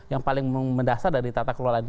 yang paling mendasar dari tata kelola